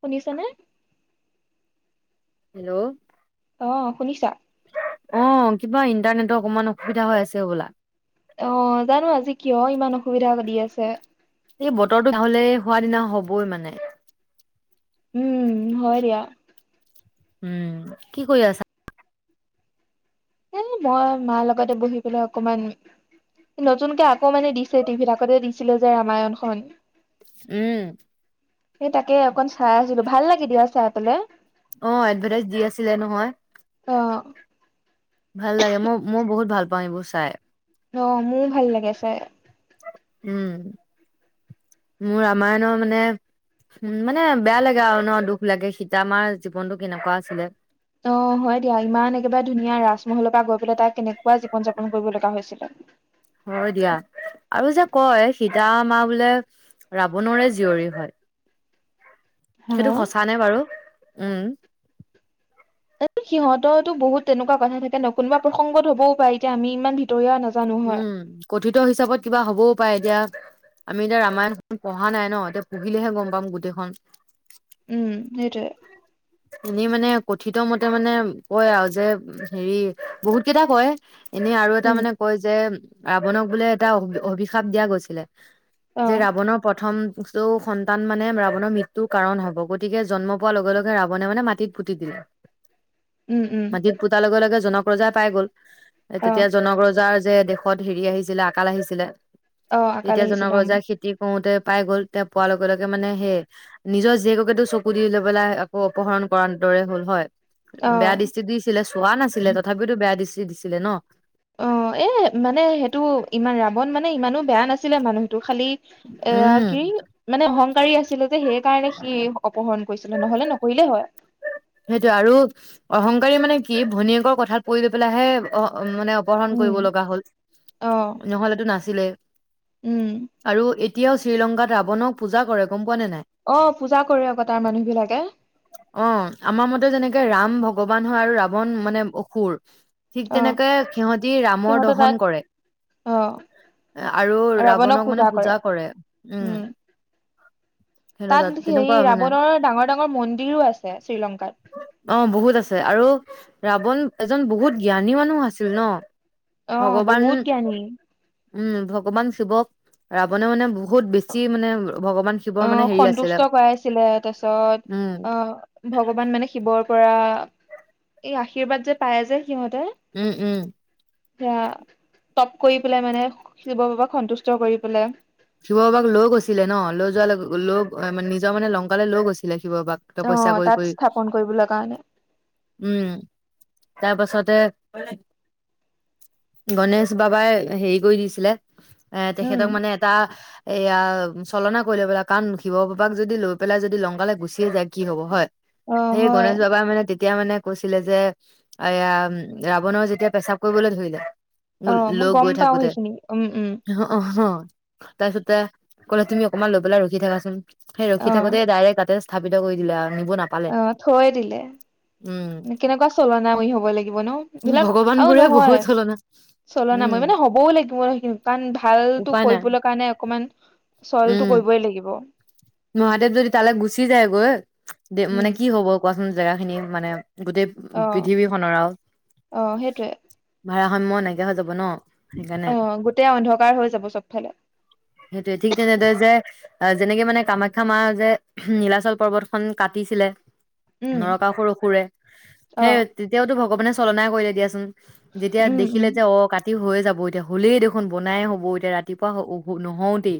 শুনিছনে হেল্ল' আহ শুনিছা অ কিবা ইণ্টাৰনেটৰ অকমান অসুবিধা হৈ আছে বোলা অ জানো আজি কিয় ইমান অসুবিধা দি আছে এই বতৰটো হলে সোৱাদিনা হবই মানে উম হয় দিয়া উম কি কৰি আছা? এ মই মাৰ লগতে বহি পেলাই অকমান নতুনকে আকৌ মানে দিছে টিভিত আগতে দিছিলো যে ৰামায়ণ খন উম সেই তাকে অকণ চাই আছিলো ভাল লাগে দিয়া চাই পেলাই অ এডভাৰটাইজ দি আছিলে নহয় অ' ভাল লাগে মই মই বহুত ভাল পাওঁ এইবোৰ চাই অ মোৰো ভাল লাগে চাই উম মোৰ ৰামায়ণৰ মানে মানে বেয়া লাগে আৰু ন দুখ লাগে সীতা আমাৰ জীৱনতটো কেনেকুৱা আছিলে অ হয় দিয়া ইমান একেবাৰে ধুনীয়া ৰাজমহলৰ পৰা গৈ পেলাই সীতাই কেনেকুৱা জীৱন যাপন কৰিব লগা হৈছিলে হয় দিয়া আৰু যে কয় সীতা মা বোলে ৰাৱণৰে জীয়ৰী হয় হা সেইটো সচা নে বাৰু উম সিহঁতৰো বহুত তেনেকুৱা কথা থাকে ন কোনোবা প্ৰসংগত হবও পাৰে এতিয়া আমি ইমান ভিতৰিয়া নাজানো হয়। উম কথিত হিচাপত কিবা হবও পাৰে এতিয়া আমি এতিয়া ৰামায়ণ পঢ়া নাই ন এতিয়া পঢ়িলেহে গম পাম গোটেইখন উম সেইটোৱে এনেই মানে কথিত মতে মানে কয় আৰু যে হেৰি বহুত কেইটা কয় এনেই আৰু এটা উম। মানে ৰাৱণক বোলে এটা অ অভিশাপ দিয়া গৈছিলে। অ যে ৰাৱণৰ প্ৰথম চৌ সন্তান মানে ৰাৱণৰ মৃত্যুৰ কাৰণ হব, গতিকে জন্ম পোৱাৰ লগে লগে ৰাৱণে মানে মাটিত পুতি দিলে। উম উম মাটিত পুতাৰ লগে লগে জনক প্ৰজা পাই গ'ল অ তেতিয়া জনক ৰজা যে দেশত হেৰি আহিছিলে আকাল আহিছিলে অ আকাল তেতিয়া জনক আহিছিলে উম ৰজাই খেতি কৰোতে পাই গ'ল তেওঁ পোৱাৰ লগে লগে মানে সেই নিজৰ জীয়েককেতো চকু দি লৈ পেলাই আকৌ অপহৰণ কৰাৰ দৰে হ'ল হয়। অ বেয়া দৃষ্টি দিছিলে চোৱা নাছিলে তথাপিতো বেয়া দৃষ্টি দিছিলে ন অ এ মানে সেইটো ইমান ৰাৱন মানে ইমানো বেয়া নাছিলে মানুহটো খালি এয়া উম কি মানে অহংকাৰী আছিলে যে সেইকাৰণে সি অপহৰণ কৰিছিলে নহলে নকৰিলেই হয় সেইটোয়ে আৰু অহংকাৰী মানে কি ভনীয়েকৰ কথাত পৰি লৈ পেলাইহে অ মানে অপহৰণ উম কৰিব লগা হ'ল অ নহ'লেটো নাছিলে। উম আৰু এই, এতিয়াও শ্ৰীলংকাত ৰাৱণক পূজা কৰে। গম পোৱা নে নাই অ পূজা কৰে আকৌ তাৰ মানুহ বিলাকে অ আমাৰ মতে, যেনেকে ৰাম ভগৱান হয় আৰু ৰাৱন মানে অসুৰ ঠিক অ তেনেকে সিহঁতি ৰামৰ সিহঁতে দৰ্শন তাত কৰে অ আৰু ৰাৱনক মানে পূজা কৰে, উম', সিহতৰ তাত হেৰি তেনেকুৱা মানে। ৰাৱণৰ ডাঙৰ ডাঙৰ মন্দিৰো আছে শ্ৰীলংকাত অ', বহুত আছে আৰু ৰাৱণ এজন বহুত জ্ঞানী মানুহ আছিল ন',। অহ', ভগৱান বহুত জ্ঞানী। উম', ভগৱান শিৱক ৰাৱণে মানে বহুত বেছি মানে ভগৱান শিৱৰ মানে অহ', হেৰি আছিলে সন্তুষ্ট কৰাইছিলে তাৰপিছত উম অহ', ভগৱান মানে শিৱৰ পৰা এই আশীৰ্বাদ যে পায় যে, সিহঁতে উম-উম সেয়া তপ কৰি পেলাই মানে শিৱ বাবাক সন্তুষ্ট কৰি পেলাই। শিৱ বাবাক লৈ গৈছিলে ন', লৈ যোৱা লগ নিজৰ মানে লংকালে লৈ গৈছিলে। শিৱ বাবাক তপস্যা আহ কৰি তাত কৰি স্থাপন কৰিবলৈ কাৰণে উম', তাৰ পাছত তে গণেশ বাবাই হেৰি কৰি দিছিলে, এ', উম তেখেতক মানে এয়া, চলনা কৰিলে কাৰণ শিৱ বাবাক যদি লৈ পেলাই যদি লংকালে গুচিয়ে যায়, কি হব হয়? অ হেই হয় গণেশ বাবা মানে তেতিয়া, তেতিয়া মানে কৈছিলে যে, এয়া ৰাৱণৰ যেতিয়া পেচাব কৰিবলৈ ধৰিলে অ', মই লৈ গম গৈ পাওঁ থাকোতে সেইখিনি উম', -উম', অ অ তাৰপিছতে কলে, তুমি অকমান লৈ পেলাই ৰখি থাকাচোন, সেই ৰখি অ থাকোতেই ডাইৰেক্ট কাতে, স্থাপিত কৰি দিলে আৰু, নিব নাপালে অ', থৈয়ে দিলে উম কেনেকুৱা চলনাময়ী হব লাগিব ন', এইবিলাক ভগৱান আৰু বোৰে নহয় বহুত চলনা উম চলনাময় মানে হবও লাগিব ন', সেইখিন কাৰণ ভালটো উপায় নাই কৰিবলৈ কাৰণে অকমান চলটো উম', কৰিবই লাগিব মহাদেৱ যদি তালৈ গুচি যায়গৈ। দে মানে উম কি হব কোৱা? উম', জেগাখিনি মানে গোটেই অ পৃথিৱীখনৰ আৰু, অ সেইটোৱে ভাৰসাম্য নাইকিয়া হৈ যাব ন',। সেইকাৰণে অ', গোটেই অন্ধকাৰ হৈ যাব চবফালে। সেইটোয়ে ঠিক তেনেদৰে যে যেনেকে মানে কামাখ্যা মা, যে নীলাচল পৰ্বতখন কাটিছিলে উম নৰকাসুৰ অসুৰে অ সেই তেতিয়াওতো ভগৱানে চলনাই কৰিলে দিয়াচোন যেতিয়া উম উম দেখিলে যে অ ক ৰাতি হৈয়ে যাব এতিয়া হ'লেই দেখোন বনাই হ'ব এতিয়া ৰাতিপুৱা নহওঁতে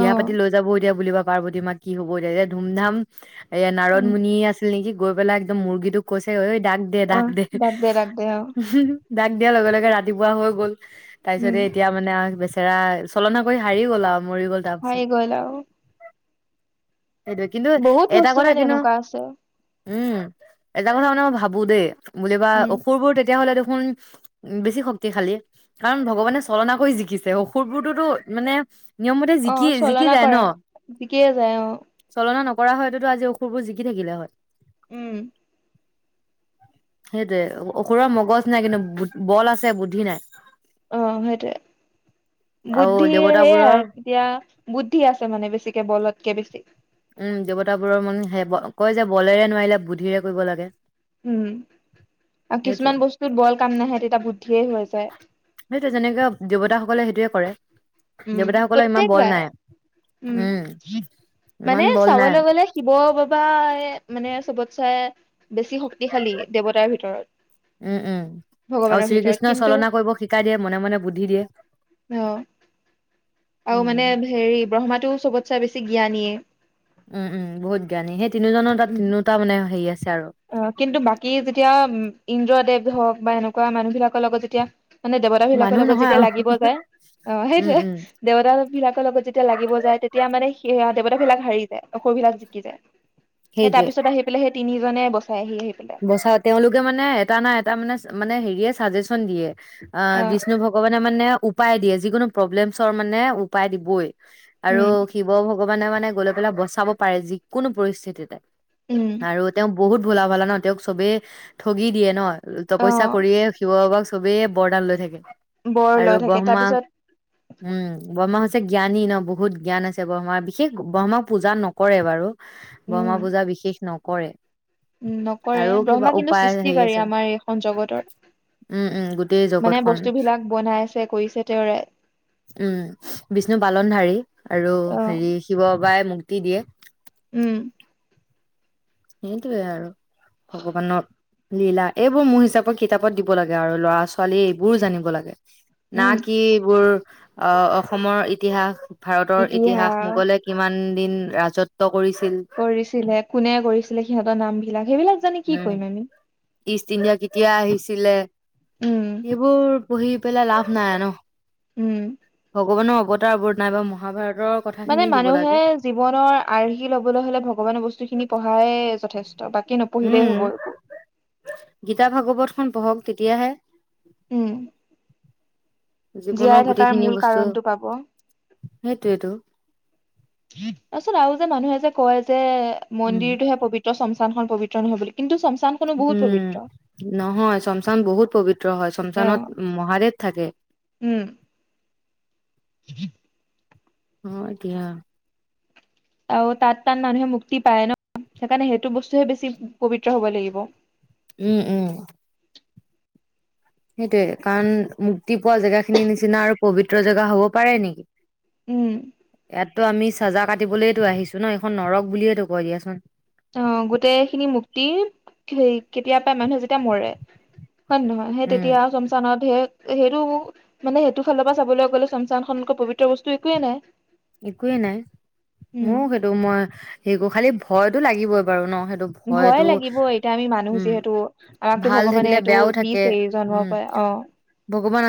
অ পাতি লৈ যাব এতিয়া বুলি বা পাৰ্বতী মাক কি হ'ব এতিয়া ধুমধাম এয়া নাৰণ উম মুুনি আছিল নেকি গৈ পেলাই একদম মুৰ্গীটোক কৈছে অঐ ডাক দে অ ডাক দে দাগ দাগ দে অ দাগ দিয়াৰ লগে লগে ৰাতিপুৱা হৈ গ'ল উম তাৰপিছতে এতিয়া মানে বেছি স চলনা কৰি ও হাৰি গল আৰু মৰি গ'ল তাৰপিছত হয় গ'ল আৰু সেইটোৱে কিন্তু বহুত এটা বস্তু কথা মানে কিন্তু এনেকুৱা আছে উম এটা কথা মানে মই ভাবো দেই বুলিবা উম অসুৰবোৰ তেতিয়া হ'লে দে দেখোন বেছি শক্তিশালী কাৰণ ভগৱানে চলনা কৰি জিকিছে অসুৰবোৰতোতো মানে নিয়ম মতে অ জিকি জিকি চলনা যায় ন কৰা বিকিয়ে যায় অ চলনা নক কৰা হয়ততো আজি ওখুৰবোৰ জিকি থাকিলে হয় উম সেইটোৱে অসুৰৰ মগজ নাই কিন্তু বল আছে বুদ্ধি নাই অ সেইটোৱেই আৰু বুদ্ধি সেয়াই দেৱতাবোৰৰ এতিয়া বুদ্ধি আছে মানে বেছিকে বলতকে বেছি উম দেৱতাবোৰৰ মন সে কয় যে বলেৰে নোৱাৰিলে বুদ্ধিৰে কৰিব লাগে। উম আৰু সেইটোয়ে কিছুমান বস্তুত বল কাম নাহে তেতিয়া বুদ্ধিয়েই হৈ যায়। সেইটোয়ে যেনেকে দেৱতাসকলে সেইটোয়ে কৰে উম দেৱতাসকলৰ ইমান বল প্ৰত্যেকবাৰে নাই উম উম মানে ইমান বল নাই চাবলৈ গ'লে শিৱ অ বাবাই মানে চবত চাই বেছি শক্তিশালী দেৱতাৰ ভিতৰত উম উম আৰু ভগৱানৰ ভিতৰত শ্ৰীকৃষ্ণই কিন্তু চলনা কৰিব শিকাই দিয়ে মনে মনে বুদ্ধি দিয়ে। অ আৰু উম, মানে হেৰি ব্ৰহ্মাটোও চবত ছে বেছি জ্ঞানীয়ে উম উম বহুত জ্ঞানী সেই তিনিজনৰ তাত উম তিনিটা মানে হেৰি আছে আৰু। অ কিন্তু বাকী যেতিয়া ইন্দ্ৰদেৱ হওক বা এনেকুৱা মানুহ বিলাকৰ লগত যেতিয়া মানে দেৱতাবিলাকৰ মানুহ লগত নহয় যেতিয়া আৰু লাগিব যায় অ উম, সেইটোৱে উম, দেৱতাবিলাকৰ লগত যেতিয়া লাগিব যায় তেতিয়া মানে সে দেৱতাবিলাক হাৰি যায় অসুৰবিলাক জিকি যায়। সেই তাৰ সেইটোৱে পিছত আহি পেলাই সেই তিনি মানে বচা তেওঁলোকে মানে এটা নাই এটা মানে মানে হেৰি। দিয়ে চাজে্যন দিয়ে। অ বিষ্ণু ভগৱান মানে উপায় দিয়ে যিকোনো প্ৰব্লেমছৰ মানে উপায় দিবই। আৰু উম শিৱ ভক্ত ভগবানে মানে গ'লে পেলাই বচাব পাৰে যিকোনো পৰিস্থিতিতে। উম আৰু তেওঁ বহুত ভোলা ভালা ন তেওঁক চবে ঠগি দিয়ে ন তপইচা অ কৰিয়ে শিৱ বাবাক চবেই বৰদাল লৈ থাকে বৰ আৰু লৈ থাকে ব্ৰহ্মা তাৰপিছত উম ব্ৰহ্মা জ্ঞানী ন বহুত জ্ঞান আছে ব্ৰহ্মাৰ বিশেষ ব্ৰহ্মাক পূজা নকৰে বাৰু বৰ্মা উম পূজা বিশেষ নক কৰে উম নকৰে আৰু কিবা ব্ৰহ্মা কিন্তু উপায় হেৰি সৃষ্টিকাৰী আছে আমাৰ এইখন জগতৰ উম উম গোটেই মানে জগতখন বস্তু বিলাক বনাইছে কৰিছে তেওঁৰে উম বিষ্ণু পালনধাৰী আৰু অ হেৰি শিৱ বাবাই মু টি দিয়ে উম সেইটোৱে আৰু ভগৱানৰ লীলা এইবোৰ মোৰ হিচাপে কিতাপত দিব লাগে আৰু ল'ৰা ছোৱালী এইবোৰো জানিব লাগে না উম কি বোৰ অ অসমৰ ইতিহাস ভাৰতৰ ইতিহাস মোগলে কিমান দিন ৰাজত্ব কৰিছিল কৰিছিলে কোনে কৰিছিলে সিহঁতৰ নাম বিলাক সেইবিলাক জানি কি উম কৰিম আমি ইষ্ট ইণ্ডিয়া কেতিয়া আহিছিলে উম সেইবোৰ পহি পেলা লাভ নাই আ ন উম ভগৱানৰ অৱতাৰ বোৰ নাই বা মহাভাৰত মানে মানুহে জীৱনৰ আৰ্হি লবলৈ হলে ভগৱানৰ বস্তুখিনি পঢ়াই যথেষ্ট বাকী নপঢ়িলেই উম হব একো গীতা ভাগৱত খন পঢ়ক তেতিয়াহে উম জীয়াই জীৱনৰ থকাৰ গোটেইখিনি মূল বস্তু কাৰণটো পাব সেইটোয়েইেতো তাৰপাছত আৰু যে মানুহে যে কয় যে উম মন্দিৰটোহে পৱিত্ৰ, চমচা চমচামখন পৱিত্ৰ নহ বুলি কিন্তু চমচানখনো বহুত উম পবিত্ৰ নহয় চমচান বহুত পবিত্ৰ হয় অ চমচানত মহাদেৱ থাকে উম [unintelligible] অ এতিয়া আৰু তাত তাত মানুহে মুক্তি পায় ন সেইকাৰণে সেইটো বস্তুহে বেছি পবিত্ৰ হব লাগিব। উম উম সেইটোয়ে কাৰণ মুক্তি পোৱা জেগা খিনিৰ নিচিনা আৰু পবিত্ৰ জেগা হ'ব পাৰে নেকি। উম তো আমি চাজা কাটিবলৈলে তো আহিছো ন এইখন নৰক বুলিয়েতো কয় দিয়াচোন। অ গোটেই খিনি মুক্তি সেই কেতিয়া পা মানুহে যেতিয়া তেতিয়া মৰে হয়ে নহয় সেই উম তেতিয়া চমচানত সেই সেইটো মানে সেইটো ফালৰ পৰা চাবলৈ গ'লে চমচানখননক পৱিত্ৰ বস্তু একোৱেই নাই। একোৱেই নাই উম মোৰ সেইটো মই হেৰি কৰো খালি ভয় টো লাগিবই বাৰু ন সেইটো ভয়ে ভয়তো লাগিব এতিয়া আমি মানুহ উম যিহেতু আমাকতো ভাল ভগৱানে থাকিলে এইটো বেয়াও থাকে বিছে জন্মৰ পৰা অ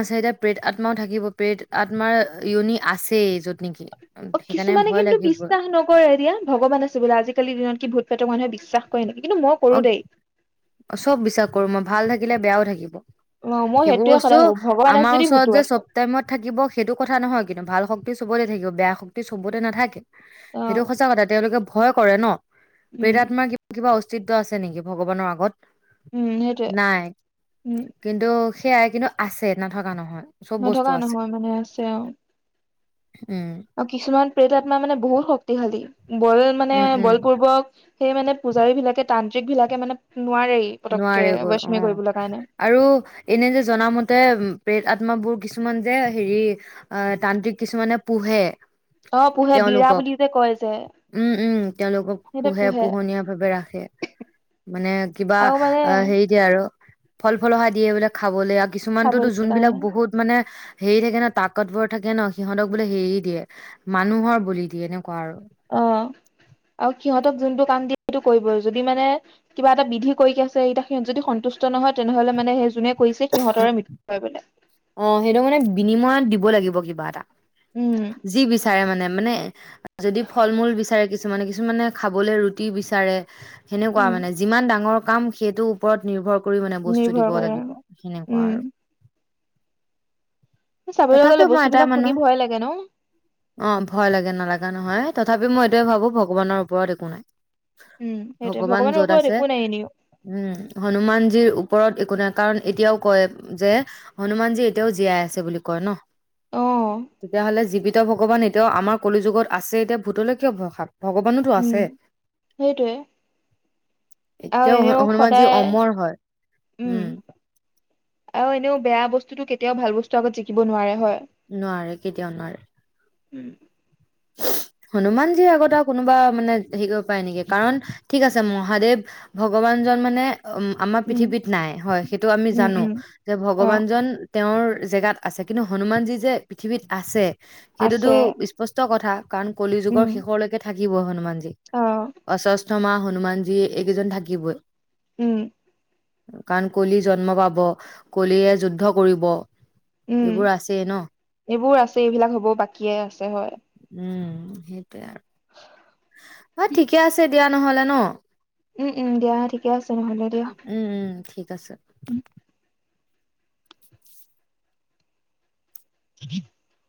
চদয়া প্ৰেত আত্মাও থাকিব প্ৰেত আত্মাৰ ইয়নি আছেই য'ত নেকি অ সেইকাৰণে কিছুমানে ভয় কিন্তু লাগিব বিশ্বাস নকৰে এতিয়া ভগৱান আছে বোলে আজিকালি দিনত কি ভুত সেইটো মানুহে বিশ্বাস কৰে নেকি? কিন্তু মই অ কৰো দেই। চব বিশ্বাস কৰো, মই ভাল থাকিলে বেয়াও থাকিব অ' মই সেইবোৰ সেইটোয়ে বস্তু সদায় ভাবো ভগৱান আছে আমাৰ যদি ওচৰত ভূতো যে আছে চব টাইমত থাকিব সেইটো কথা নহয় কিন্তু ভাল শক্তি চবৰে। থাকিব বেয়া শক্তি চবতে নাথাকে সেইটো অ' সঁচা কথা তেওঁলোকে ভয় কৰে ন বেদ উম। আত্মা কিবা অস্তিত্ব আছে নেকি ভগৱানৰ আগত উম সেইটোয়ে নাই উম কিন্তু সেয়াই কিন্তু আছে নথকা নহয় চব বস্তু নথকা আছে নহয় মানে আছে আও উম আৰু কিছুমান প্ৰেত আত্মা মানে বহুত শক্তিশালী বল মানে উম উম বল পূ্ৰ্বক সেই মানে পূজাৰী বিলাকে তান্ত্ৰিক বিলাকে মানে নোৱাৰেই পতককে নোৱাৰেগৈ বৈষ্মী অ কৰিবলৈ কাৰণে। আৰু এনে যে জনামতে প্ৰেত আত্মাাবোৰ কিছু কিছুমান যে হেৰি অ তান্ত্ৰিক কিছুমানে পোহে অ' পোহে বিৰা তেওঁলোকক বুলি যে কয় যে উম উম তেওঁলোকক পোহে পোহনীয়া ভাৱে ৰাখে মানে আৰু মানে অ হেৰি দিয়ে আৰু ফল ফল অহা দিয়ে এই বোলে খাবলে কিছুমানতোতো খাবলৈ যোনবিলাক কাৰণে বহুত মানে হেৰি থাকে ন তাকতবৰ থাকে ন সিহঁতক বোলে হেৰি দিয়ে মানুহৰ বলি দিয়ে এনেকুৱা আৰু অ আৰু সিহঁতক যোনটো কাম দিয়ে সেইটো কৰিবই। যদি মানে কিবা এটা বিধি কৰি কি আছে, এতিয়া সিহত যদি সন্তুষ্ট নহয় তেনেহলে মানে সেই যোনে কৰিছে সিহঁতৰে মৃত্যু হয় বোলে। অঁ, সেইটো মানে বিনিময়ত দিব লাগিব। কিবা এটা উম যি বিচাৰে মানে, মানে যদি ফল মূল বিচাৰে কিছুমানে, কিছুমানে খাবলে ৰুটি বিচাৰে সেনেকুৱা উম। মানে যিমান ডাঙৰ কাম সেইটো ওপৰত নিৰ্ভৰ কৰি মানে বস্তু দিব নিৰ্ভৰ কৰে লাগিব। সেনেকুৱা উম আৰু চাবলৈ গ'লে তথাপিও মই এটাই বস্তুবিলাক শুনি মানুহ। ভয় লাগে ন। অঁ ভয় লাগে, নালাগা নহয় তথাপি মই এইটোয়ে ভাবো ভগৱানৰ ওপৰত একো নাই। উম সেইটোৱে ভগৱান ভগৱানৰ যত ওপৰত আছে, একো নাই এনেও উম হনুমানজীৰ ওপৰত একো কাৰণ এতিয়াও কয়, যে হনুমানজী এতিয়াও জীয়াই আছে বুলি কয় ন। অ তেতিয়াহ'লে জীৱিত ভ ভগৱান এতিয়াও আমাৰ কলি যুগত আছে এতিয়া ভূতলৈ কিয় ভয় খাম। ভগৱানোতো উম আছে। সেইটোৱে। আৰু এতিয়াও এনেও হ-হনুমানজী সদায় অমৰ হয়, উম। আও এনেও বেয়া বস্তুতো কেতিয়াও ভাল বস্তু আগত জিকিব নোৱাৰে, হয় নোৱাৰে, কেতিয়াও নোৱাৰে। উম হনুমান যীৰ আগত আৰু কোনোবা, মানে শিকিব পাৰে নেকি, কাৰণ ঠিক আছে, মহাদেৱ ভগৱানজন মানে উম আমাৰ উম পৃথিৱীত নাই, হয় সেইটো আমি জানো উম যে অ ভগৱানজন তেওঁৰ জেগাত আছে, কিন্তু হনুমানজী যে পৃথিৱীত আছে সেইটো টো আছে স্পষ্ট কথা কাৰণ কলি যুগৰ উম শেষলৈকে থাক কি ব হনুমান অ অস্বস্থমা হনুমান জী, এইকেইজন থাকিবই। উম। কাৰণ কলি জন্ম পাব, কলিয়ে যুদ্ধ কৰিব। উম, এইবোৰ আছেই ন এইবোৰ আছে এইবিলাক হ'ব বাকিয়ে আছে হয়। উম, সেইটোয়ে আৰু অ ঠিকে আছে দিয়া নহলে ন উম উম দিয়া ঠিকে আছে নহ'লে দিয়া উম উম ঠিক আছে। উম [unintelligible]